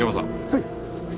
はい。